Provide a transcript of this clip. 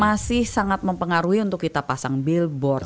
masih sangat mempengaruhi untuk kita pasang billboard